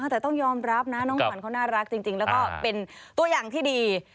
แต่ต้องยอมรับนะน้องขวัญเขาน่ารักจริงแล้วก็เป็นตัวอย่างที่ดี